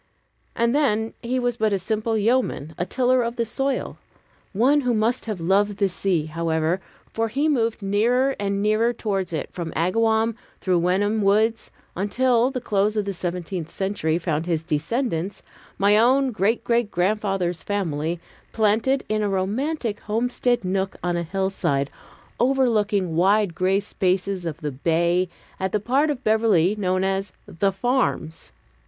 And then he was but a simple yeoman, a tiller of the soil; one who must have loved the sea, however, for he moved nearer and nearer towards it from Agawam through Wenham woods, until the close of the seventeenth century found his descendants my own great great grandfather's family planted in a romantic homestead nook on a hillside, overlooking wide gray spaces of the bay at the part of Beverly known as "The Farms."